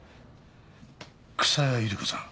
草谷ゆり子さん